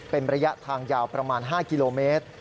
เป็นระยะทางยาวประมาณ๕กิโลเมตร